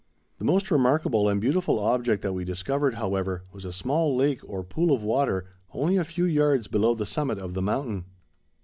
The most remarkable and beautiful object that we discovered, however, was a small lake or pool of water only a few yards below the summit of the mountain.